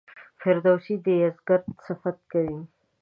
فردوسي د یزدګُرد صفت کوي.